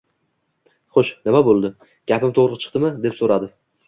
Xo`sh, nima bo`ldi, gapim to`g`ri chiqdimi, deb so`radi